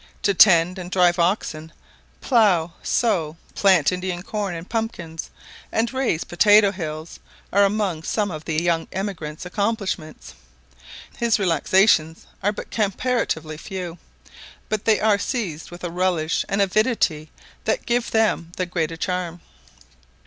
To tend and drive oxen, plough, sow, plant Indian corn and pumpkins, and raise potatoe hills, are among some of the young emigrant's accomplishments. His relaxations are but comparatively few, but they are seized with a relish and avidity that give them the greater charm.